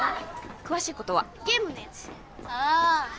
詳しいことはゲームのやつああ